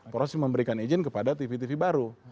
proses memberikan izin kepada tv tv baru